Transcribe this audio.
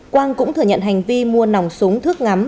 quang cũng thừa nhận hành vi mua nòng súng thước ngắm